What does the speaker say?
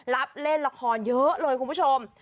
รับเล่นละครเยอะเลยคุณผู้ชม